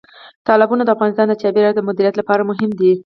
تالابونه د افغانستان د چاپیریال د مدیریت لپاره مهم دي.